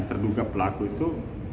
terduga pelaku itu